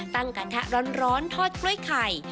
กระทะร้อนทอดกล้วยไข่